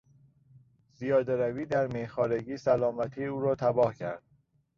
زیادهروی در میخوارگی سلامتی او را تباه کرد.